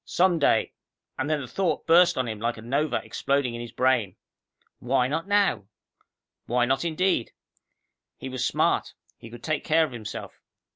Some day and then the thought burst on him like a nova exploding in his brain. Why not now? Why not indeed? He was smart; he could take care of himself.